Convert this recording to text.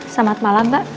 selamat malam mbak